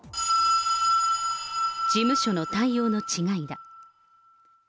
事務所の対応の違いだ。